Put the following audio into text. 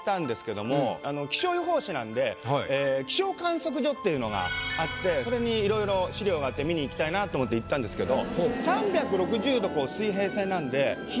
なんで気象観測所っていうのがあってそれにいろいろ資料があって見に行きたいなと思って行ったんですけど。